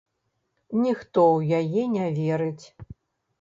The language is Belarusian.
Ніхто ў яе не верыць.